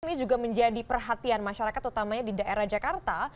ini juga menjadi perhatian masyarakat utamanya di daerah jakarta